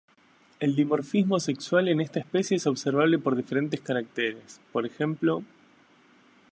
El dimorfismo sexual en esta especie es observable por diferentes caracteres, e.g.